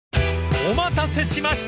［お待たせしました！